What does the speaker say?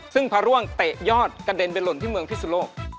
ซึ่งพระร่วงเตะยอดกระเด็นไปหล่นที่เมืองพิสุโลก